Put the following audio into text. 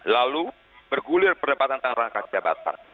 lalu bergulir perdebatan tentang rangkap jabatan